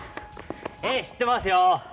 ええしってますよ。